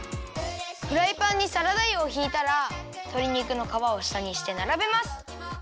フライパンにサラダ油をひいたらとり肉のかわをしたにしてならべます。